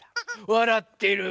わらってる。